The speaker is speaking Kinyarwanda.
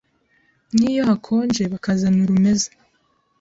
nk’iyo hakonje bakazana urumeza,